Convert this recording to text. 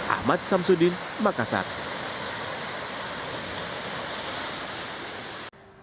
ahmad samsudin makassar